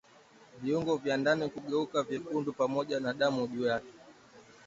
Viungo vya ndani kugeuka vyekundu pamoja na damu juu yake